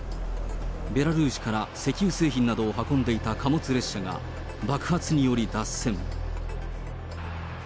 ベラルーシから石油製品などを運んでいた貨物列車が爆発により脱線。